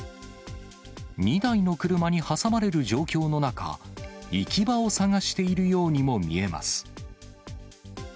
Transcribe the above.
２台の車に挟まれる状況の中、行き場を探しているようにも見えます。